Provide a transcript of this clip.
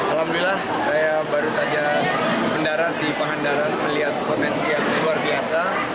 alhamdulillah saya baru saja mendarat di pahandaran melihat konvensi yang luar biasa